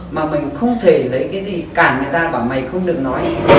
mà mình không thể lấy cái gì cản người ta bảo mày không được nói